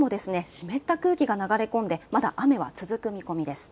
湿った空気が流れ込んでまだ雨は続く見込みです。